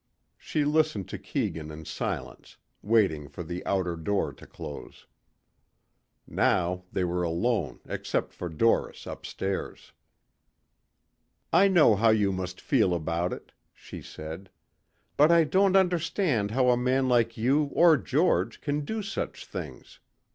She listened to Keegan in silence, waiting for the outer door to close. Now they were alone except for Doris, upstairs. "I know how you must feel about it," she said. "But I don't understand how a man like you or George can do such things.